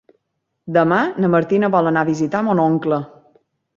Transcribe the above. Demà na Martina vol anar a visitar mon oncle.